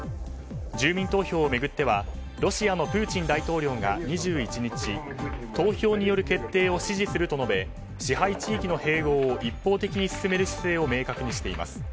住民投票を巡ってはロシアのプーチン大統領が２１日投票による決定を支持すると述べ支配地域の併合を一方的に進める姿勢を明確にしています。